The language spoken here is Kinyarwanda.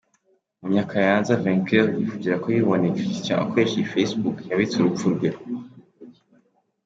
Munyakayanza Vainqueur yivugira ko yiboneye Christian akoresha iyi Facebook yabitse urupfu rwe.